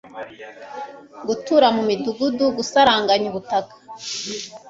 gutura mu midugudu, gusaranganya ubutaka